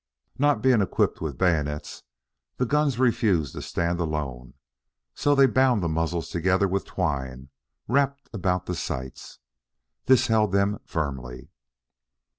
Not being equipped with bayonets the guns refused to stand alone, so they bound the muzzles together with twine wrapped about the sights. This held them firmly.